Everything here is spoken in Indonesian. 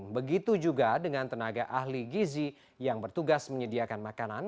begitu juga dengan tenaga ahli gizi yang bertugas menyediakan makanan